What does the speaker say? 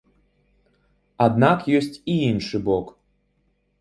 Аднак ёсць і іншы бок.